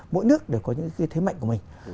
mỗi nước đều có những cái thế mạnh của mình